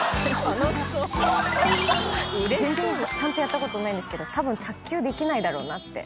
「ちゃんとやったことないけど卓球できないだろうなって」